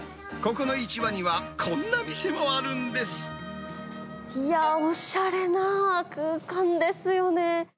ここの市場には、こんな店もいやー、おしゃれな空間ですよね。